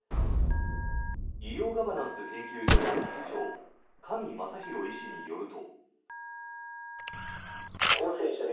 医療ガバナンス研究所の理事長上昌広医師によると。